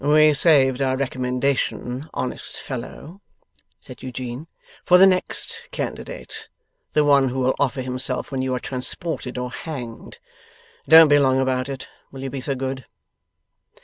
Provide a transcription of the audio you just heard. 'We saved our recommendation, honest fellow,' said Eugene, 'for the next candidate the one who will offer himself when you are transported or hanged. Don't be long about it; will you be so good?